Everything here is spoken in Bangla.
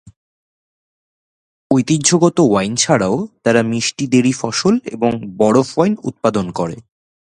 ঐতিহ্যগত ওয়াইন ছাড়াও, তারা মিষ্টি দেরী ফসল এবং বরফ ওয়াইন উৎপাদন করে।